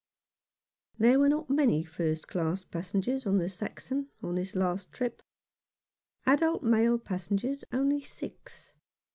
There were not many first class passengers on the Saxon on this last trip. Adult male passengers only six.